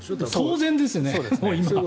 当然ですね。